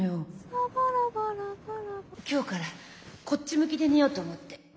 「サバラバラバラバ」今日からこっち向きで寝ようと思って。